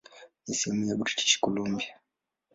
Ni sehemu ya British Columbia.